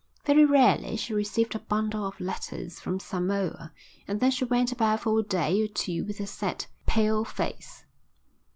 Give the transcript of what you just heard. Very rarely she received a bundle of letters from Samoa and then she went about for a day or two with a set, pale face.